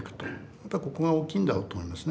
やっぱりここが大きいんだろうと思いますね。